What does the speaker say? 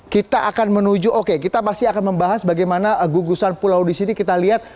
kita akan menuju oke kita masih akan membahas bagaimana gugusan pulau di sini kita lihat